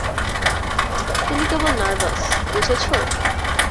তুমি কেবল নার্ভাস, বুঝেছো?